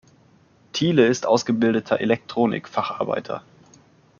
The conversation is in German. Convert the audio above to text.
Thiele ist ausgebildeter Elektronik-Facharbeiter.